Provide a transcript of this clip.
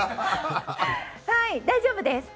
はい、大丈夫です。